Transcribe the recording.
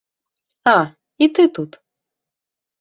А, і ты тут!